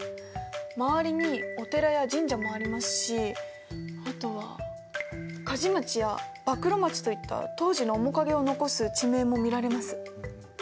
周りにお寺や神社もありますしあとは鍛冶町や馬喰町といった当時の面影を残す地名も見られます。